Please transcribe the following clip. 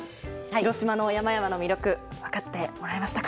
広島の山々の魅力分かってもらえましたか？